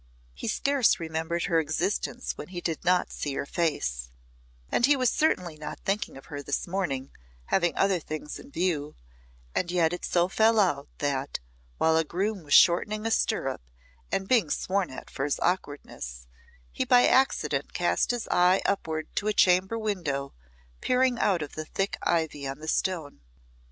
He scarce remembered her existence when he did not see her face, and he was certainly not thinking of her this morning, having other things in view, and yet it so fell out that, while a groom was shortening a stirrup and being sworn at for his awkwardness, he by accident cast his eye upward to a chamber window peering out of the thick ivy on the stone.